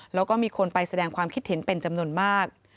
แล้วก็มีคนไปแสดงความคิดเห็นเป็นจำนวนมาก